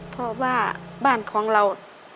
เพราะว่าบ้านของเรา